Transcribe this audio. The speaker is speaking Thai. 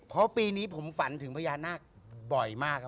เพราะปีนี้ผมฝันถึงพญานาคบ่อยมากครับ